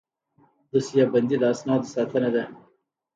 دوسیه بندي د اسنادو ساتنه ده